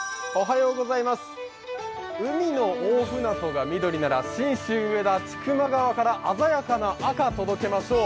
海の大船渡が緑なら信州・上田、千曲川から鮮やかな赤、届けましょう。